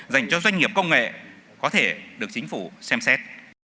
dành cho doanh nghiệp công nghệ có thể được chính phủ xem xét